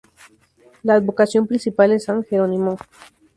La advocación principal es San Jerónimo.